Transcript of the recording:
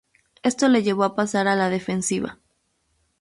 Esto le llevó a pasar a la defensiva.